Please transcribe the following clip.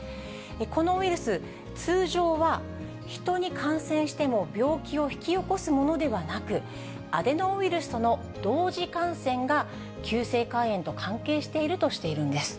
このウイルス、通常は、ヒトに感染しても病気を引き起こすものではなく、アデノウイルスとの同時感染が、急性肝炎と関係しているとしているんです。